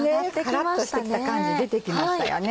カラっとしてきた感じ出てきましたよね。